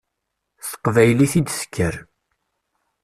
S teqbaylit i d-tekker.